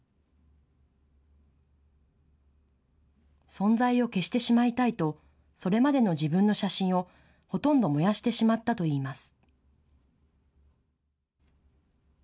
存在を消してしまいたいとそれまでの自分の写真をほとんど燃やしてしまったといいます。